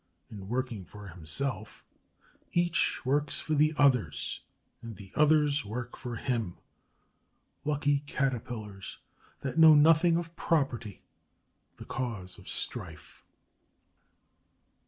In working for himself, each works for the others; and the others work for him. Lucky Caterpillars that know nothing of property, the cause of strife!